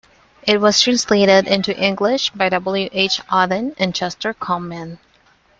It was translated into English by W. H. Auden and Chester Kallman.